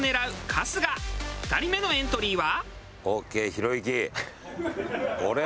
２人目のエントリーは。